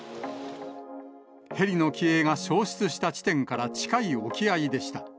ヘリの機影が消失した地点から近い沖合でした。